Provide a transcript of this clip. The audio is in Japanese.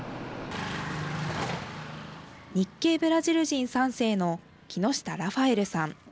日系ブラジル人３世の木下ラファエルさん。